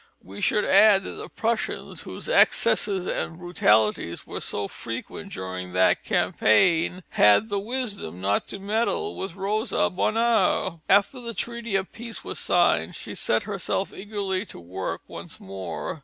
We should add that the Prussians, whose excesses and brutalities were so frequent during that campaign, had the wisdom not to meddle with Rosa Bonheur. After the treaty of peace was signed, she set herself eagerly to work once more.